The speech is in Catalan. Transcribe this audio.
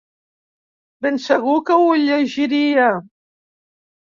Ben segur que ho llegiria.